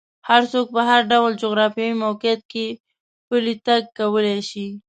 هر څوک په هر ډول جغرافیایي موقعیت کې پلی تګ کولی شي.